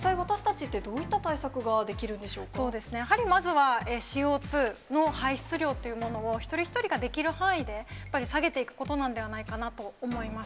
実際、私たちって、どういっやっぱりＣＯ２の排出量というのを、一人一人ができる範囲でやっぱり下げていくことなんではないかなと思います。